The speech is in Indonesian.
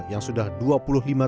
yang sudah dikumpulkan